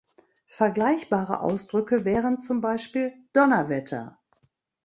Vergleichbare Ausdrücke wären zum Beispiel "Donnerwetter!